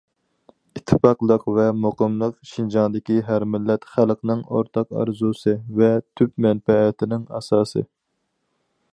ئىتتىپاقلىق ۋە مۇقىملىق شىنجاڭدىكى ھەر مىللەت خەلقنىڭ ئورتاق ئارزۇسى ۋە تۈپ مەنپەئەتىنىڭ ئاساسى.